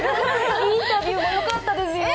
インタビューもよかったですよ。